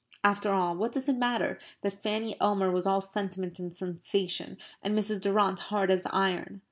After all, what does it matter that Fanny Elmer was all sentiment and sensation, and Mrs. Durrant hard as iron?